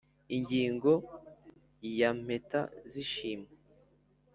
Ingingo ya impeta z ishimwe